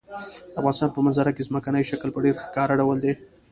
د افغانستان په منظره کې ځمکنی شکل په ډېر ښکاره ډول دی.